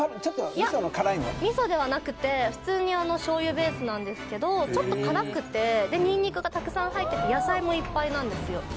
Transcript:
いや味噌ではなくて普通に醤油ベースなんですけどちょっと辛くてでニンニクがたくさん入ってて野菜もいっぱいなんですよ